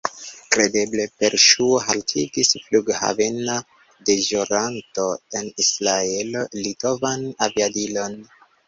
Kredeble per ŝuo haltigis flughavena deĵoranto en Israelo litovan aviadilon.